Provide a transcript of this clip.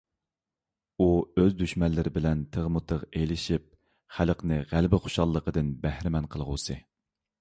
ئۇ ئۆز دۈشمەنلىرى بىلەن تىغمۇتىغ ئېلىشىپ، خەلقنى غەلىبە خۇشاللىقىدىن بەھرىمەن قىلغۇسى.